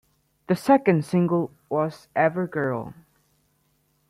The second single was "everGirl".